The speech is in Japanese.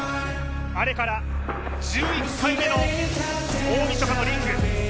あれから１１回目の大みそかのリング。